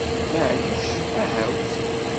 Maɛlic, ahawt!